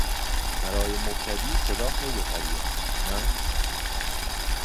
برای مبتدی صدا خیلی قوی است، نه؟